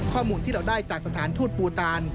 ข้อมูลที่เราได้จากสถานทูตปูตาน